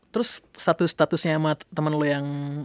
terus status statusnya sama temen lu yang